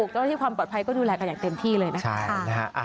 ต้องมีความประดับความปลอดภัยก็ดูแลกันอย่างเต็มที่เลยนะ